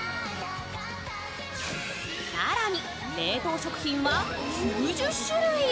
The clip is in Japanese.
更に冷凍食品は９０種類。